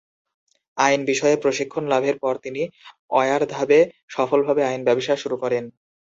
আইন বিষয়ে প্রশিক্ষণ লাভের পর তিনি ওয়ারধাতে সফলভাবে আইন ব্যবসা শুরু করেন।